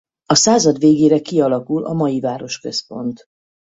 A század végére kialakul a mai városközpont.